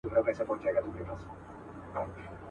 خداي دي ورکه کرونا کړي څه کانې په خلکو کاندي.